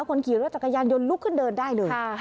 คนขี่รถจักรยานยนต์ลุกขึ้นเดินได้เลย